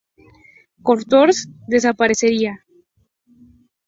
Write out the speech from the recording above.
Cartoons desapareciera.